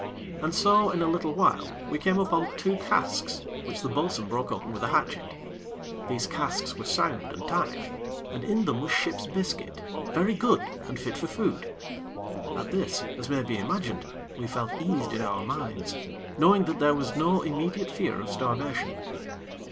And so, in a little while, we came upon two casks which the bo'sun broke open with a hatchet. These casks were sound and tight, and in them was ship's biscuit, very good and fit for food. At this, as may be imagined, we felt eased in our minds, knowing that there was no immediate fear of starvation.